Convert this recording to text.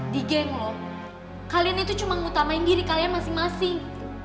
di geng lo kalian itu cuma ngutamain diri kalian masing masing